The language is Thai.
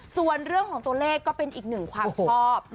ส่วนเรื่องของตัวเลขก็เป็นอีกหนึ่งความชอบ